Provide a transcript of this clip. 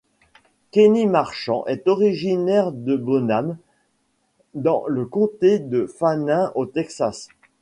Kenny Marchant est originaire de Bonham, dans le comté de Fannin au Texas.